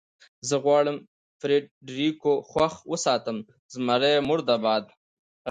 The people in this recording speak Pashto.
زه غواړم فرېډرېکو خوښ وساتم، زمري مرده باد.